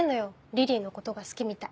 リリイのことが好きみたい。